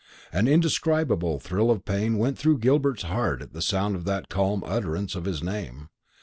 An indescribable thrill of pain went through Gilbert's heart at the sound of that calm utterance of his name.